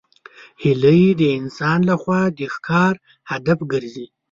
هیلۍ د انسان له خوا د ښکار هدف ګرځي